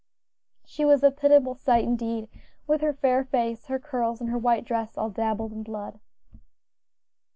She was a pitiable sight indeed, with her fair face, her curls, and her white dress all dabbled in blood.